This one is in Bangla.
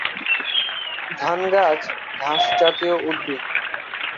ধান গাছ ঘাসজাতীয় উদ্ভিদ।